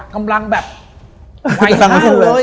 กำลังแบบไหวห้าเลย